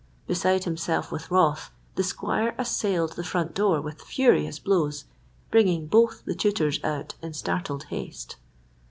Beside himself with wrath, the squire assailed the front door with furious blows, bringing both the tutors out in startled haste.